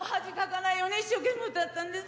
恥をかかないように一生懸命、歌ったんです！